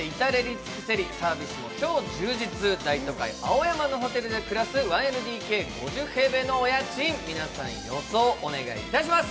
尽くせりサービスも超充実、青山で暮らす１ＬＤＫ、５０平米のお家賃、皆さん、予想お願いいたします。